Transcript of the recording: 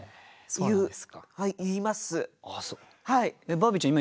バービーちゃん